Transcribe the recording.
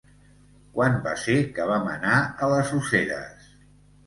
Quan va ser que vam anar a les Useres?